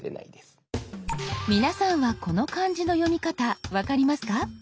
皆さんはこの漢字の読み方分かりますか？